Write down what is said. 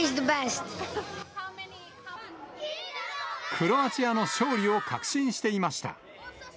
クロアチアの勝利を確信していました。